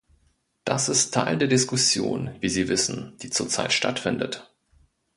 Das ist Teil der Diskussion, wie Sie wissen, die zurzeit stattfindet.